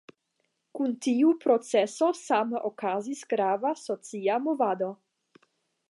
Kun tiu procezo same okazis grava socia movado.